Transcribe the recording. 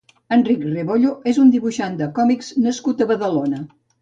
Enric Rebollo és un dibuixant de còmics nascut a Badalona.